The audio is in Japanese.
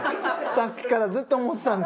さっきからずっと思ってたんですけど。